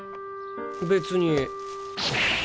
別に。